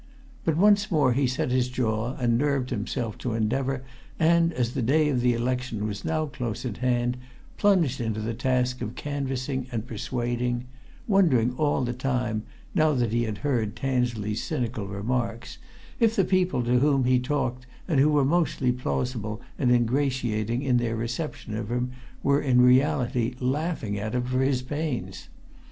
But once more he set his jaw and nerved himself to endeavour, and, as the day of election was now close at hand, plunged into the task of canvassing and persuading wondering all the time, now that he had heard Tansley's cynical remarks, if the people to whom he talked and who were mostly plausible and ingratiating in their reception of him were in reality laughing at him for his pains.